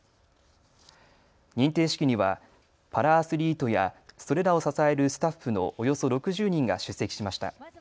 認定式にはパラアスリートやそれらを支えるスタッフのおよそ６０人が出席しました。